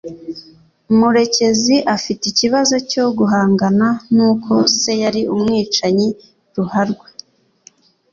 Murekezi afite ikibazo cyo guhangana n’uko se yari umwicanyi ruharwa